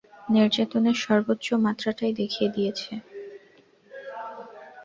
নির্যাতনের সর্বোচ্চ মাত্রাটাই দেখিয়ে দিয়েছে।